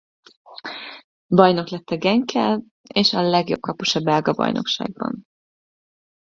Bajnok lett a Genkkel és a legjobb kapus a belga bajnokságban.